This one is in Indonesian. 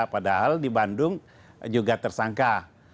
padahal di bandung juga tersangka